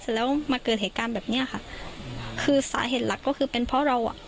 แล้วมาเกิดเหตุการณ์แบบเนี้ยค่ะคือสาเหตุหลักก็คือเป็นเพราะเราอ่ะ